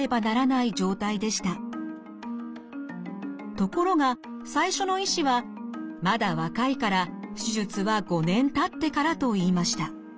ところが最初の医師は「まだ若いから手術は５年たってから」と言いました。